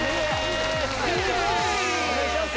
お願いします！